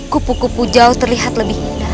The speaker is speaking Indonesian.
kupu kupu jauh terlihat lebih indah